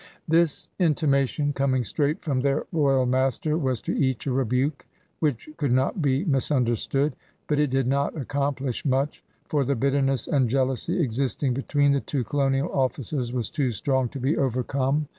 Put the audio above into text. This intimation, coming straight from their royal master, was to each a rebuke which could not be misunderstood. But it did not accomplish much, for the bitterness and jealousy existing between the two colonial ofBcers was too strong to be overcome.